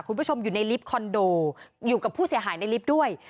คุณผู้ชมอยู่ในลิฟต์คอนโดอยู่กับผู้เสียหายในลิฟต์ด้วย